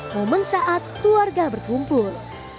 momen saat keluarga berkumpul